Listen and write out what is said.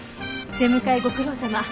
出迎えご苦労さま。